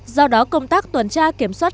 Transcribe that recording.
do đó công tác tuần tra kiểm soát